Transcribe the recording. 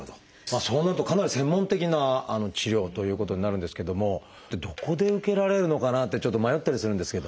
そうなるとかなり専門的な治療ということになるんですけどもどこで受けられるのかなってちょっと迷ったりするんですけど。